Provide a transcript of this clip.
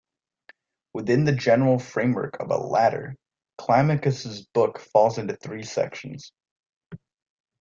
Within the general framework of a 'ladder', Climacus' book falls into three sections.